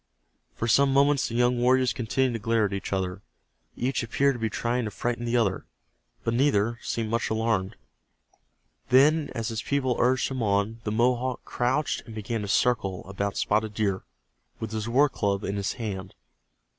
For some moments the young warriors continued to glare at each other. Each appeared to be trying to frighten the other, but neither seemed much alarmed. Then, as his people urged him on, the Mohawk crouched and began to circle about Spotted Deer, with his war club in his hand.